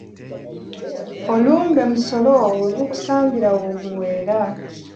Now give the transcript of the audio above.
Olumbe musolo we gukusangira w'oguweera.